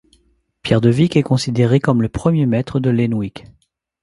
Pierre de Vic est considéré comme le premier maître de l'enuig.